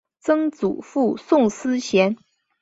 曾祖父宋思贤。